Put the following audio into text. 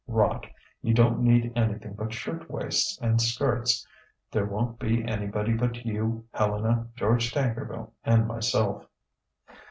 "Rot: you don't need anything but shirtwaists and skirts. There won't be anybody but you, Helena, George Tankerville and myself."